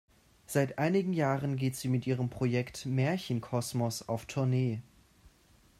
Seit einigen Jahren geht sie mit ihrem Projekt "Märchen-Kosmos" auf Tournee.